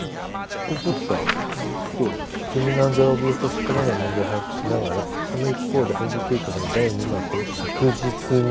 ここさえと「住民の安全を脅かしかねない問題を把握しながらその一方で配備計画の第二幕を着実に」。